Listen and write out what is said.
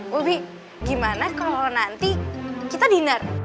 bubi gimana kalau nanti kita diner